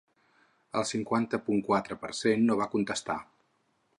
El cinquanta punt quatre per cent no va contestar.